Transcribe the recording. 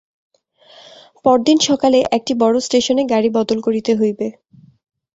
পরদিন সকালে একটা বড়ো স্টেশনে গাড়ি বদল করিতে হইবে।